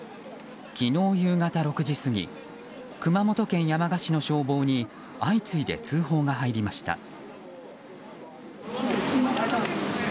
昨日夕方６時過ぎ熊本県山鹿市の消防に相次いで通報が入りました。